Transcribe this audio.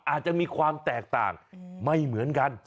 อาจจะมีความแตกต่างไม่เหมือนกัน